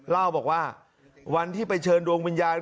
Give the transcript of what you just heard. เล่าบอกว่าวันที่ไปเชิญดวงวิญญาณ